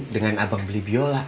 dengan abang beli biola